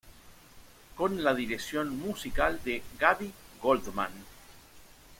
Con la dirección musical de Gaby Goldman.